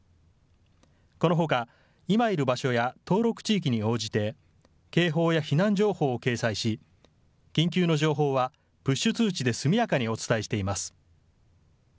このほか、今いる場所や登録地域に応じて、警報や避難情報を掲載し、緊急の情報はプッシュ通知で速やかにお伝えしています。